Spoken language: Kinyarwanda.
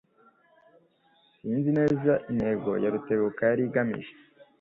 Sinzi neza intego ya Rutebuka yari igamije.